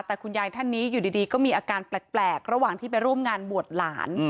แต่คุณยายท่านนี้อยู่ดีก็มีอาการแปลกระหว่างที่ไปร่วมงานบวชหลาน